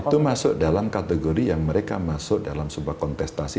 itu masuk dalam kategori yang mereka masuk dalam sebuah kontestasi